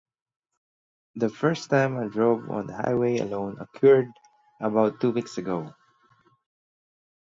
The first time I drove on the highway alone occurred about two weeks ago.